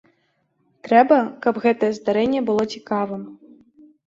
Трэба, каб гэтае здарэнне было цікавым.